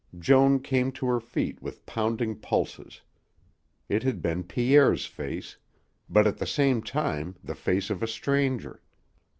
Joan came to her feet with pounding pulses. It had been Pierre's face, but at the same time, the face of a stranger.